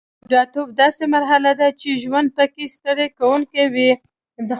بوډاتوب داسې مرحله ده چې ژوند پکې ستړي کوونکی وي